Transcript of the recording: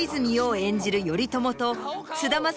演じる頼朝と菅田将暉